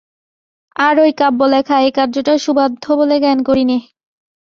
আর ঐ কাব্য লেখা, ও কার্যটাও সুসাধ্য বলে জ্ঞান করি নে।